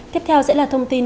tiếp theo sẽ là thông tin